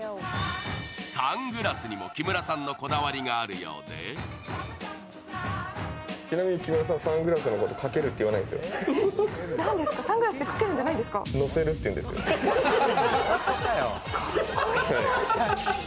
サングラスにも木村さんのこだわりがあるようで顔にのせるんだ。